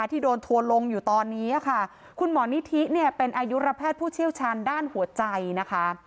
ที่โดนทัวร์ลงอยู่ตอนนี้ค่ะคุณหมอนิธิเนี่ยเป็นอายุระแพทย์ผู้เชี่ยวชาญด้านหัวใจนะคะ